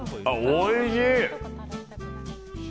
おいしい！